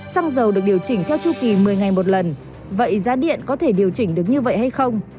xăng dầu được điều chỉnh theo chu kỳ một mươi ngày một lần vậy giá điện có thể điều chỉnh được như vậy hay không